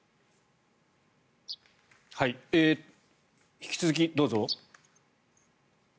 引き続き、どうぞ。